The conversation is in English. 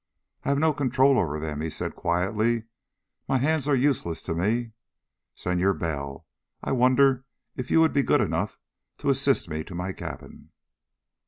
"I have no control over them," he said quietly. "My hands are useless to me, Senor Bell. I wonder if you will be good enough to assist me to my cabin."